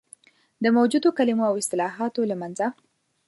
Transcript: د موجودو کلمو او اصطلاحاتو له منځه.